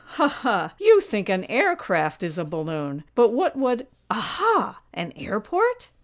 Ha, ha! You think an air craft is a balloon! But what would Aha! An airport?"